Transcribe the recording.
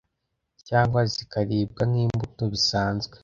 cyangwa zikaribwa nk’imbuto bisanzwe